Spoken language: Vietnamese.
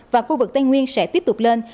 và khu vực tây nguyên sẽ tiếp tục lên